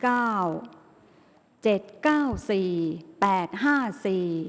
ข่าวแถวรับทีวีรายงาน